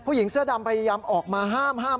ผู้หญิงเสื้อดำพยายามออกมาห้ามห้าม